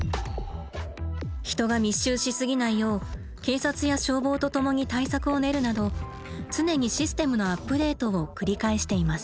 人が密集しすぎないよう警察や消防とともに対策を練るなど常にシステムのアップデートを繰り返しています。